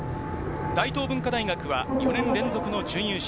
大東文化大学は４年連続の準優勝。